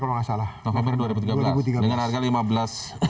dengan harga lima belas